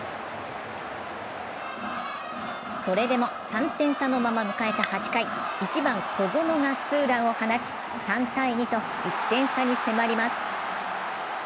それでも３点差のまま迎えた８回、１番・小園がツーランを放ち３−２と１点差に迫ります。